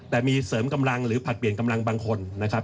แต่มีเสริมกำลังหรือผลัดเปลี่ยนกำลังบางคนนะครับ